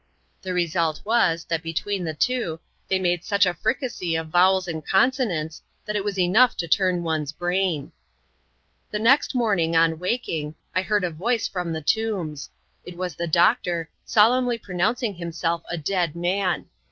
The result was, that between the two, they made such a fricasee of vowels and consonants, that it was enough to turn one's brain. The next morning, on waking, I heard a voice from the tombs. It was the doctor, solemnly pronoxmcing himself a dead man.